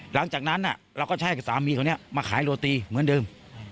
หลังจากนั้นน่ะเราก็จะให้สามีเขาเนี่ยมาขายโรตีเหมือนเดิม